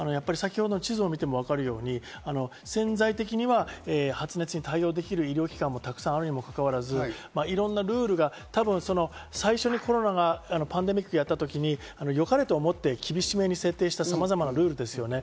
地図を見てもわかるように潜在的には発熱に対応できる医療機関はたくさんあるにもかかわらず、いろんなルールが多分最初にコロナがパンデミックをやったときに、よかれと思って厳しめに設定したさまざまなルールですね。